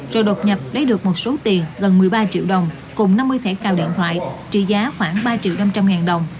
với một số tiền gần một mươi ba triệu đồng cùng năm mươi thẻ cà điện thoại trị giá khoảng ba triệu năm trăm linh ngàn đồng